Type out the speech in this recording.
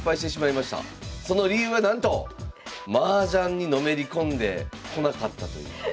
その理由はなんとマージャンにのめり込んで来なかったという。